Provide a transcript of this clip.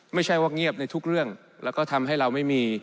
ไม่ใช่ว่าเงียบในทุกเรื่องแล้วก็ทำให้เราไม่มี